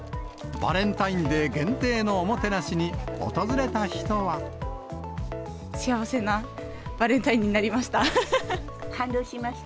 バレンタインデー限定のおも幸せなバレンタインになりま感動しました。